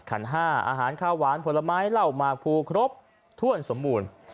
ขันห้าอาหารข้าวหวานผลไม้เหล้าหมากภูครบถ้วนสมบูรณ์